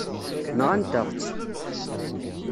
Nɣan-aɣ-tt.